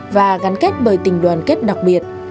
và gắn kết bởi tình đoàn kết đặc biệt